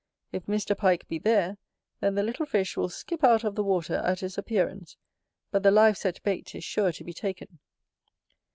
If Mr. Pike be there, then the little fish will skip out of the water at his appearance, but the live set bait is sure to be taken.